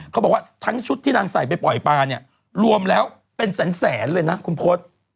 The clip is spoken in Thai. เขาบอกว่าทั้งชุดที่นางใส่ไปปล่อยปลาเนี่ยรวมแล้วเป็นแสนเลยนะคุณพศ